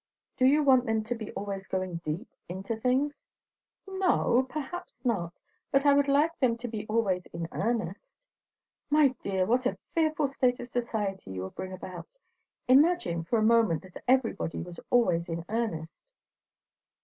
"Do you want them to be always going 'deep' into things?" "N o, perhaps not; but I would like them to be always in earnest." "My dear! What a fearful state of society you would bring about! Imagine for a moment that everybody was always in earnest!"